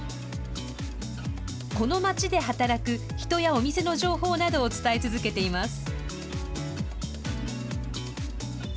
この街で働く人やお店の情報などを伝え続けています。